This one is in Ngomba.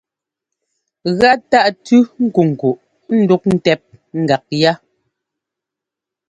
Gá tâʼ tʉ́ nkunkuʼ ndúʼ ntɛp gak yá.